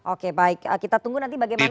oke baik kita tunggu nanti bagaimana